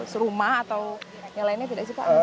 serumah atau yang lainnya tidak sih pak